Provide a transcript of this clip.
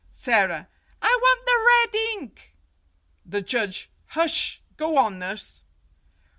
Sara : I want the red ink. The Judge : Hush. Go on, nurse.